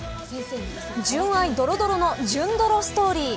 純愛ドロドロの純ドロストーリー。